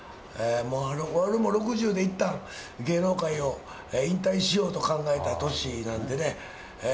俺も６０でいったん、芸能界を引退しようと考えた歳なんでね。